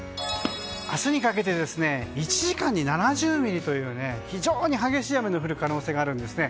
明日にかけて１時間に７０ミリという非常に激しい雨の降る可能性があるんですね。